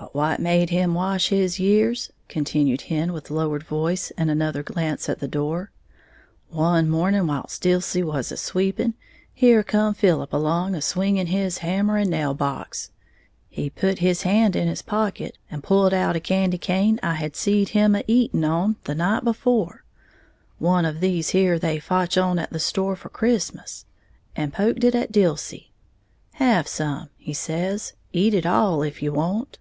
"But what made him wash his years," continued Hen, with lowered voice and another glance at the door; "one morning whilst Dilsey was a sweeping, here come Philip along, a swinging his hammer and nail box. He put his hand in his pocket and pult out a candy cane I had seed him a eating on the night before, one of these here they fotch on at the store for Christmas and poked it at Dilsey. 'Have some,' he says, 'eat it all, if you want.'